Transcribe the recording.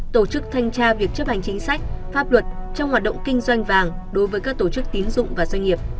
tổ chức thanh tra việc chấp hành chính sách pháp luật trong hoạt động kinh doanh vàng đối với các tổ chức tín dụng và doanh nghiệp